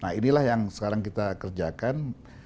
nah inilah yang sekarang kita kerjakan